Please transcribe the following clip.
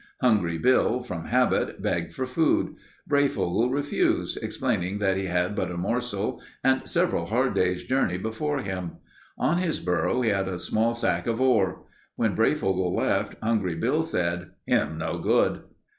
Hungry Bill, from habit, begged for food. Breyfogle refused, explaining that he had but a morsel and several hard days' journey before him. On his burro he had a small sack of ore. When Breyfogle left, Hungry Bill said, "Him no good."